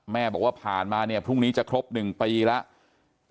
แม่บอกว่าผ่านมาเนี่ยพรุ่งนี้จะครบ๑ปีแล้ว